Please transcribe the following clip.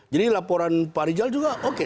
jadi laporan pak rizal juga oke